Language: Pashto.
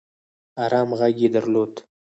ارامه غږ يې درلود